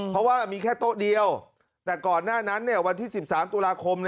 เพราะว่ามีแค่โต๊ะเดียวแต่ก่อนหน้านั้นวันที่๑๓ตุลาคม